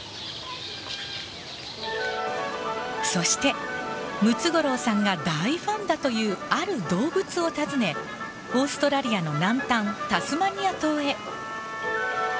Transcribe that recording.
そして、ムツゴロウさんが大ファンだというある動物を訪ねオーストラリアの南端タスマニア島へ。